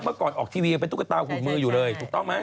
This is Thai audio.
เมื่อก่อนออกทีวียังเป็นตุ๊กตาหุ่นมืออยู่เลยถูกต้องไหม